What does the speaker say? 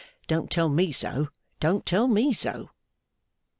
Don't tell me so, don't tell me so!